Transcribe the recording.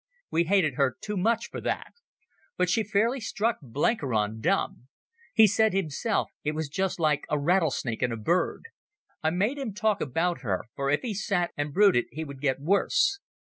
We hated her too much for that. But she fairly struck Blenkiron dumb. He said himself it was just like a rattlesnake and a bird. I made him talk about her, for if he sat and brooded he would get worse.